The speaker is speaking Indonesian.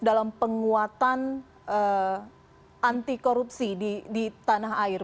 dalam penguatan anti korupsi di tanah air